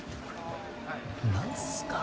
何すか？